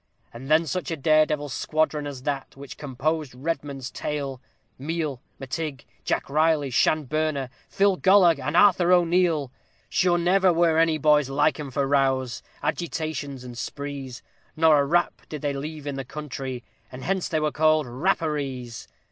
And then such a dare devil squadron as that which composed REDMOND'S tail! Meel, Mactigh, Jack Reilly, Shan Bernagh, Phil Galloge, and Arthur O'Neal; Shure never were any boys like 'em for rows, agitations, and sprees, Not a rap did they leave in the country, and hence they were called _Rap_parees.